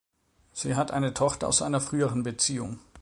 Sie hat eine Tochter aus einer früheren Beziehung.